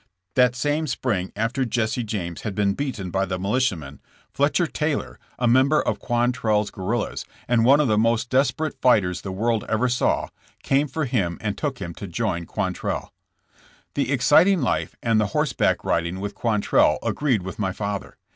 That same spring after Jesse James had been beaten by the militiamen, Fletcher Taylor, a member THE BORDER WARS. 31 of Quantrell's guerrillas, and one of the most des perate fighters the world ever saw, came for him and took him to join Quantrell. The exciting life and the horseback riding with Quantrell agreed with my father.